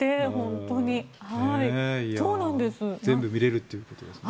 全部見れるということですね。